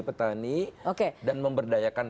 petani dan memberdayakan